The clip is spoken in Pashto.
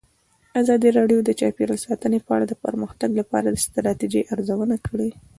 ازادي راډیو د چاپیریال ساتنه په اړه د پرمختګ لپاره د ستراتیژۍ ارزونه کړې.